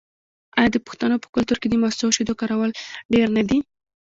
آیا د پښتنو په کلتور کې د مستو او شیدو کارول ډیر نه دي؟